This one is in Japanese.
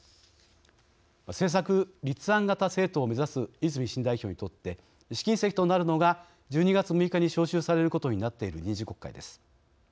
政策立案型政党を目指す泉新代表にとって試金石となるのが、１２月６日に召集されることになっている臨時国会です。